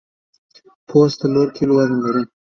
پوست څلور کیلو وزن لري.